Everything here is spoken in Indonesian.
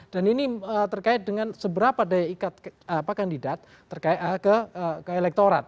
dan ini terkait dengan seberapa daya ikat kandidat terkait ke elektorat